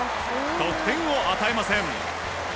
得点を与えません。